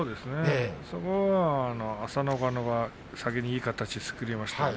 そこを朝乃若がいい形を作りましたね。